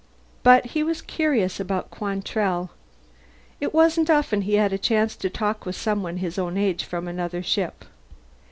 But he was curious about Quantrell. It wasn't often he had a chance to talk with someone his own age from another ship.